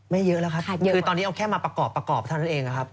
ไม่เยอะแล้วครับคือตอนนี้เอาแค่มาประกอบเท่านั้นเองครับ